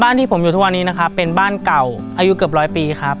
บ้านที่ผมอยู่ทั่วนี้เป็นบ้านเก่าอายุเกือบร้อยปีครับ